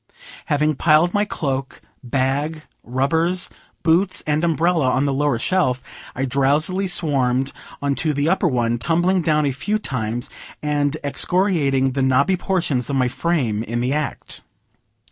Having piled my cloak, bag, rubbers, books and umbrella on the lower shelf, I drowsily swarmed onto the upper one, tumbling down a few times, and excoriating the knobby portions of my frame in the act.